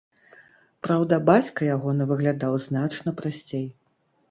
Праўда, бацька ягоны выглядаў значна прасцей.